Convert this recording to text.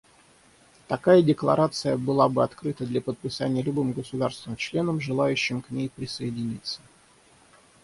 Такая декларация была бы открыта для подписания любым государством-членом, желающим к ней присоединиться.